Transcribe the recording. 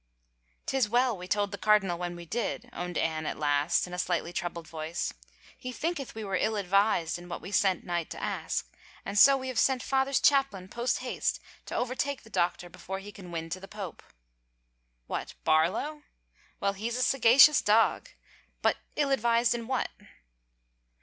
" Tis well we told the cardinal when we did," owned Anne at last in a slightly troubled voice. " He thinketh we were ill advised in what we sent Knight to ask, and so we have sent father's chaplain post haste to overtake the doctor before he can win to the pope." " What, Barlow ? Well, he's a sagacious dog. But ill advised in what?"